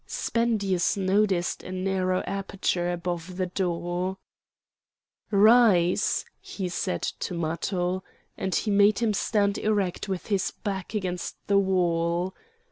Spendius noticed a narrow aperture above the door. "Rise!" he said to Matho, and he made him stand erect with his back against the wall.